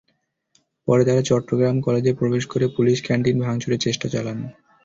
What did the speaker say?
পরে তাঁরা চট্টগ্রাম কলেজে প্রবেশ করে পুলিশ ক্যানটিন ভাঙচুরের চেষ্টা চালান।